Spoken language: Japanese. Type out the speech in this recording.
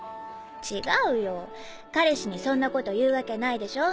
違うよ彼氏にそんなこと言うわけないでしょ。